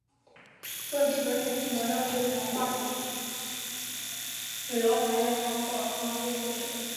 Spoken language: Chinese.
各地文旅部门要强化旅游行业防火防汛措施